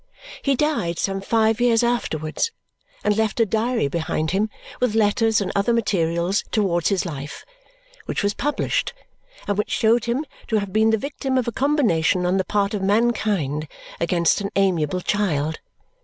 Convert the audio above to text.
He died some five years afterwards and left a diary behind him, with letters and other materials towards his life, which was published and which showed him to have been the victim of a combination on the part of mankind against an amiable child.